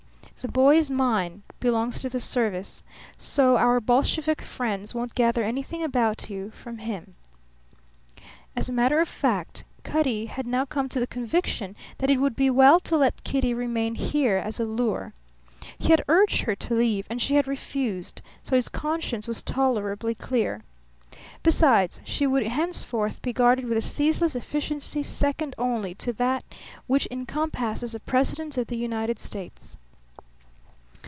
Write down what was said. The boy is mine; belongs to the service. So our Bolshevik friends won't gather anything about you from him." As a matter of fact, Cutty had now come to the conviction that it would be well to let Kitty remain here as a lure. He had urged her to leave, and she had refused, so his conscience was tolerably clear. Besides, she would henceforth be guarded with a ceaseless efficiency second only to that which encompasses a President of the United States.